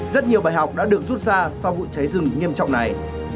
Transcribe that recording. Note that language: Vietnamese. rất nhiều bài học đã được rút ra sau vụ cháy rừng nghiêm trọng này